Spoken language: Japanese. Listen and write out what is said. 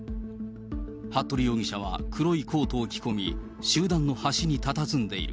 服部容疑者は黒いコートを着込み、集団の端にたたずんでいる。